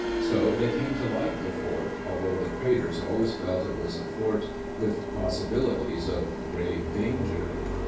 So they came to like the fort, although the traders always felt it was a fort with possi bilities of grave danger.